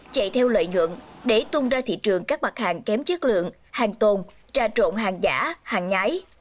chạy theo lợi nhuận để tung ra thị trường các mặt hàng kém chất lượng hàng tồn trà trộn hàng giả hàng nhái